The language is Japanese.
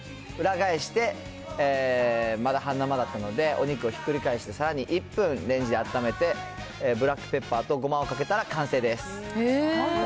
裏返して、まだ半生だったので、お肉をひっくり返してさらに１分レンジであっためて、ブラックペッパーとごまをかけたら完成です。